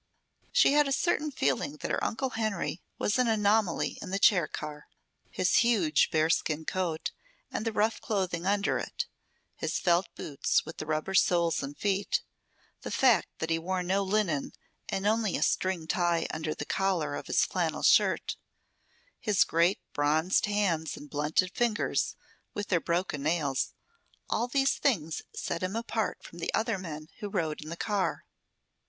She had a certain feeling that her Uncle Henry was an anomaly in the chair car. His huge bearskin coat and the rough clothing under it; his felt boots, with rubber soles and feet; the fact that he wore no linen and only a string tie under the collar of his flannel shirt; his great bronzed hands and blunted fingers with their broken nails, all these things set him apart from the other men who rode in the car.